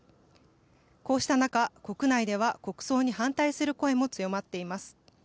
こうした中、国内では国葬に反対する声も強まっています。